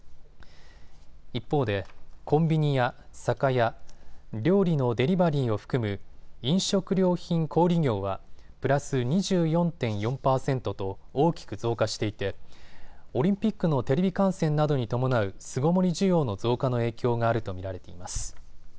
一方でコンビニや酒屋、料理のデリバリーを含む飲食料品小売業はプラス２４．４％と大きく増加していてオリンピックのテレビ観戦などに伴う巣ごもり需要の増加の影響があると見られています。